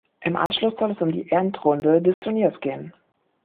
Im Anschluss soll es um die Endrunde des Turniers gehen.